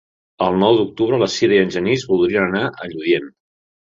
El nou d'octubre na Sira i en Genís voldrien anar a Lludient.